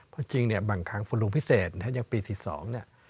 เพราะจริงเนี่ยบางครั้งฝนหลวงพิเศษเนี่ยยังปี๑๒เนี่ย